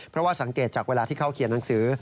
เพราะว่าสังเกตจากเวลาที่เขาเขียนหนังสือ